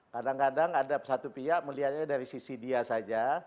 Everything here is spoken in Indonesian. kadang kadang ada satu pihak melihatnya dari sisi dia saja